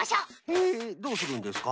へえどうするんですか？